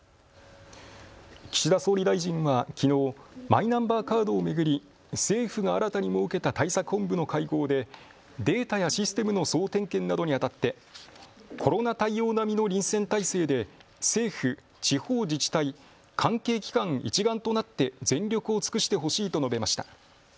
岸田総理大臣はきのうマイナンバーカードを巡り政府が新たに設けた対策本部の会合でデータやシステムの総点検などにあたってコロナ対応並みの臨戦態勢で政府、地方自治体、関係機関一丸となって全力を尽くしてほしいと述べました。